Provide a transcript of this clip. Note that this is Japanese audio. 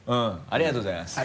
ありがとうございます。